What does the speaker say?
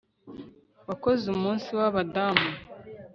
Wakoze Umunsi wAbadamu